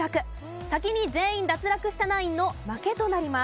先に全員脱落したナインの負けとなります。